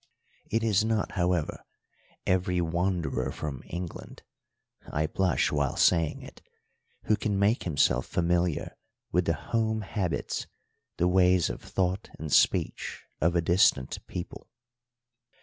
It is not, however, every wanderer from England I blush while saying it who can make himself familiar with the home habits, the ways of thought and speech, of a distant people.